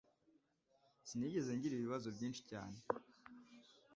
Sinigeze ngira ibibazo byinshi cyane.